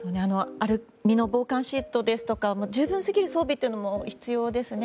身の防寒シートですとか十分すぎる装備も必要ですよね